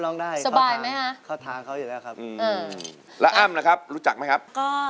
ร้องได้ไหมครับครับครับ